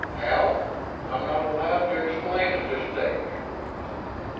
How, I'm not allowed to explain at this stage.